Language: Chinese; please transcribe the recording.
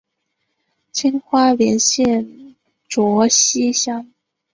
今花莲县卓溪乡。